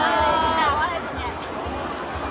ด่าอะไรส่วนใหญ่